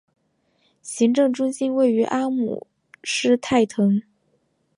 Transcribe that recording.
行政中心位于阿姆施泰滕。